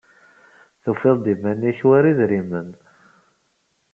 Tufid-d iman-nnek war idrimen.